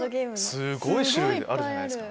すごい種類あるじゃないですか。